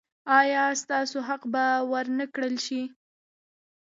ایا ستاسو حق به ور نه کړل شي؟